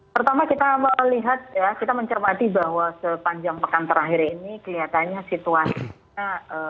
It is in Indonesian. pertama kita melihat ya kita mencermati bahwa sepanjang pekan terakhir ini kelihatannya situasinya